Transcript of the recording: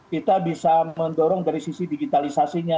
kita bisa mendorong dari sisi digitalisasinya